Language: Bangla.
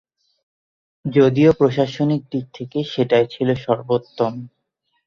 যদিও প্রশাসনিক দিক থেকে সেটাই ছিল সর্বোত্তম।